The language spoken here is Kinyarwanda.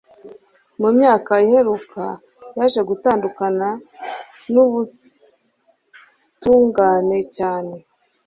mu myaka iheruka yaje gutandukana n'ubutungane cyane